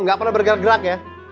ga pernah bergerak gerak ya